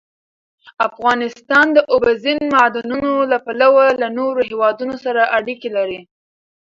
افغانستان د اوبزین معدنونه له پلوه له نورو هېوادونو سره اړیکې لري.